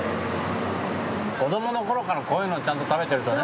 子どもの頃からこういうのちゃんと食べてるとね。